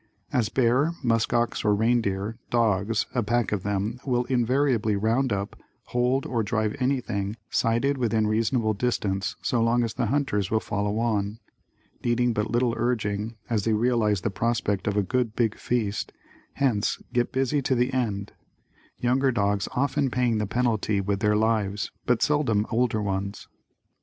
As bear, muskox, or reindeer, dogs, a pack of them will invariably round up, hold or drive anything sighted within reasonable distance so long as the hunters will follow on, needing but little urging, as they realize the prospect of a "good big feast," hence get busy to the end; younger dogs often paying the penalty with their lives but seldom older ones.